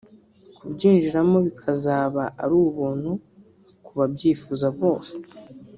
kubyinjiramo bikazaba ari ubuntu ku babyifuza bose